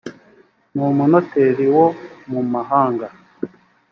n umunoteri wo mu mahanga